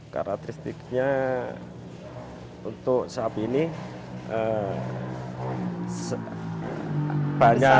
karakteristiknya untuk sapi ini banyak